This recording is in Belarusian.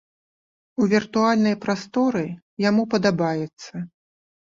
У віртуальнай прасторы яму падабаецца.